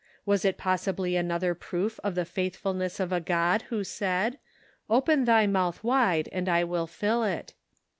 Was it possibly another proof of the faithfulness of a God who said :" Open thy mouth wide, and I will fill it."